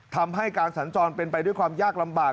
ทำให้การสัญจรเป็นไปด้วยความยากลำบาก